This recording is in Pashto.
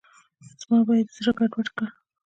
زما به یې زړه ګډوډ کړ.